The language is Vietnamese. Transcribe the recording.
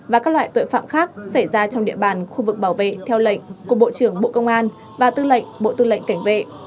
và các loại tội phạm khác xảy ra trong địa bàn khu vực bảo vệ theo lệnh của bộ trưởng bộ công an và tư lệnh bộ tư lệnh cảnh vệ